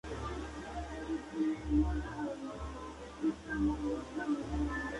La minería es otro de los sectores con importancia en la región.